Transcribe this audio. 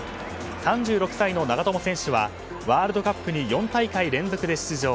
３６歳の長友選手はワールドカップに４大会連続で出場。